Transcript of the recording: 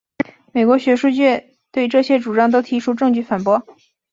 美国学术界对这些主张都提出证据反驳。